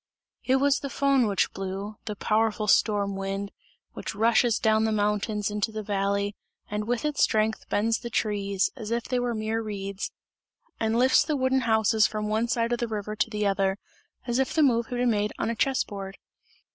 It was the Föhn which blew, the powerful storm wind, which rushes down the mountains into the valley and with its strength bends the trees, as if they were mere reeds, and lifts the wooden houses from one side of the river to the other, as if the move had been made on a chess board.